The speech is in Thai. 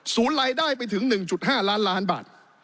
รายได้ไปถึง๑๕ล้านล้านบาท